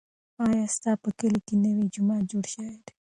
ایا ستا په کلي کې نوی جومات جوړ شوی دی؟